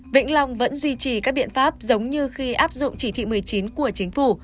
vĩnh long vẫn duy trì các biện pháp giống như khi áp dụng chỉ thị một mươi chín của chính phủ